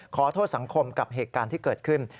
ขอโทษสังคมกับเหตุการณ์ที่เกิดขึ้น